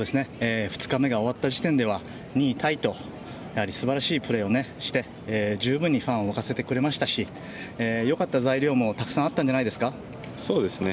２日目が終わった時点では２位タイと、すばらしいプレーをして十分にファンを沸かせてくれましたし、よかった材料もたくさんあったんじゃないですか。